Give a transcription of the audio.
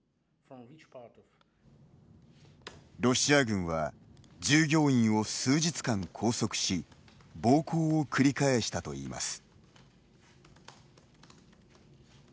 ロシア軍は従業員を数日間拘束し暴行を繰り返したといいます。